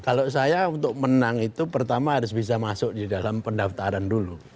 kalau saya untuk menang itu pertama harus bisa masuk di dalam pendaftaran dulu